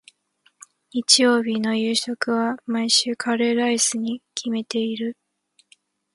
日曜日の夕食は、毎週カレーライスに決めている。